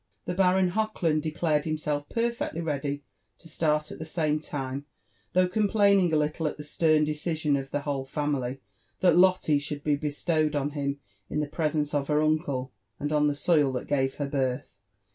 The Baron Hochland declared himself perfectly ready to start at the same time, though complaining a little at the stern decision of the whole family, that Lotte should be bestowed on him in the presence of her uncle, and on the soil that gave her birth.